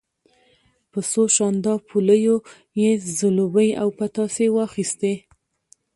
په څو شانداپولیو یې زلوبۍ او پتاسې واخیستې.